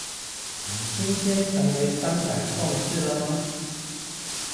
你今天成為三百壯士了嗎？